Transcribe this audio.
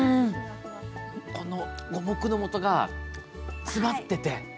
この五目のもとが詰まってて。